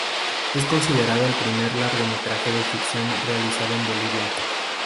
Es considerado el primer largometraje de ficción realizado en Bolivia.